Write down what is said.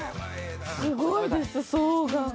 すごいです、層が。